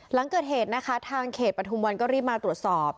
หลังเกิดเหตุนะคะทางเขตปฐุมวันก็รีบมาตรวจสอบ